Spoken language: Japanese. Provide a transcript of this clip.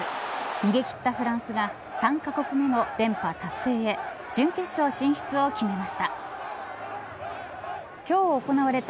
逃げ切ったフランスが３カ国目の連覇達成へ準決勝進出を決めました。